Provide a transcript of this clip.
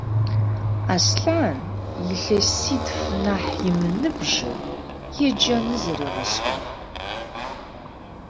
Аслъан илъэситф нахь ымыныбжьэу еджэныр зэригъэшӏагъ.